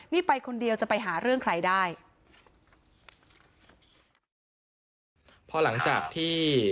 นี่ไปคนเดียวจะไปหาเรื่องใครได้